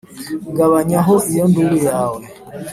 Ngabanya ho iyo nduru yawe